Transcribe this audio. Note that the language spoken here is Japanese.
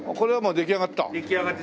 出来上がって。